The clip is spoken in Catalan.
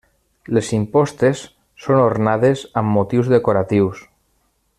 Les impostes són ornades amb motius decoratius.